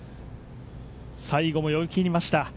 最後も読み切りました。